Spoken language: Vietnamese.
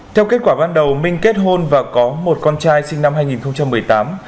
theo kết quả ban đầu minh kết hôn và có một con trai sinh năm hai nghìn một mươi tám